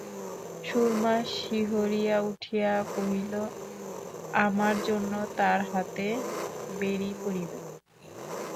সুরমা শিহরিয়া উঠিয়া কহিল, আমার জন্য তাঁর হাতে বেড়ি পড়িবে?